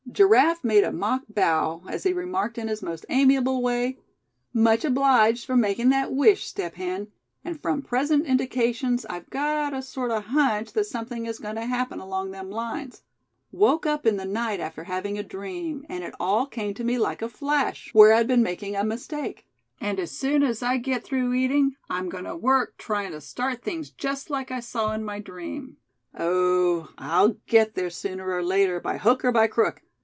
Giraffe made a mock bow, as he remarked in his most amiable way: "Much obliged for making that wish, Step Hen; and from present indications I've got a sort of hunch that something is going to happen along them lines. Woke up in the night after having a dream, and it all came to me like a flash, where I'd been making a mistake. And as soon as I get through eating, I'm going to work trying to start things just like I saw in my dream. Oh! I'll get there, sooner or later, by hook or by crook.